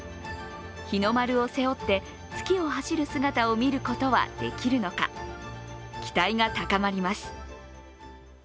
日の丸を背負って月を走る姿を見ることはできるのか、期待が高まります。